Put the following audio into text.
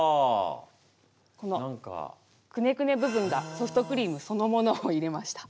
このくねくね部分がソフトクリームそのものを入れました。